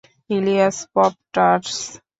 Ilias, pop-tarts?